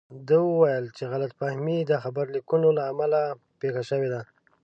ده وویل چې غلط فهمي د خبر لیکونکو له امله پېښه شوې ده.